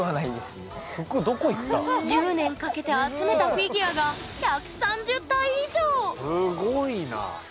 １０年かけて集めたフィギュアがすごいな。